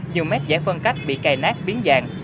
nhiều mét giải phân cách bị cày nát biến dạng